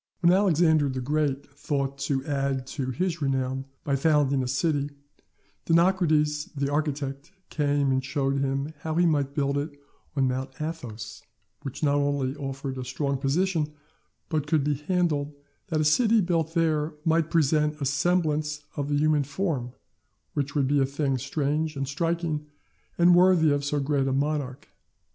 When Alexander the Great thought to add to his renown by founding a city, Dinocrates the architect came and showed him how he might build it on Mount Athos, which not only offered a strong position, but could be handled that the city built there might present a semblance of the human form, which would be a thing strange and striking, and worthy of so great a monarch.